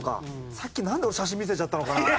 さっきなんで写真見せちゃったのかな。